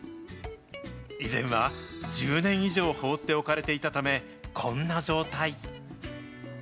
以前は１０年以上放っておかれていたため、こんな状態。